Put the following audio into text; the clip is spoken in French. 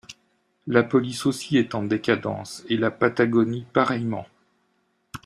La police aussi est en décadence… et la Patagonie pareillement…